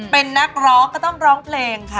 เป็นนักร้องก็ต้องร้องเพลงค่ะ